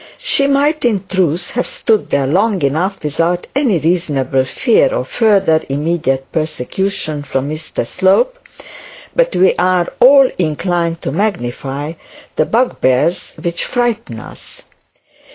She might in truth have stood there long enough without any reasonable fear of further immediate persecution from Mr Slope; but we are all inclined to magnify the bugbears which frighten us.